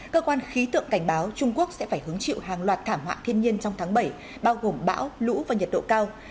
cơ quan khí tượng cảnh báo trung quốc sẽ phải hứng chịu hàng loạt thảm họa thiên nhiên trong tháng bảy bao gồm bão lũ và nhiệt độ cao